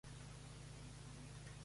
Área micropolitana de St.